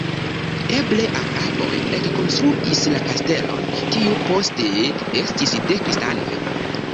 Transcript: Eble araboj ekkonstruis la kastelon, kiu poste estis de kristanoj.